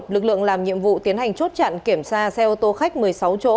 lực lượng làm nhiệm vụ tiến hành chốt chặn kiểm tra xe ô tô khách một mươi sáu chỗ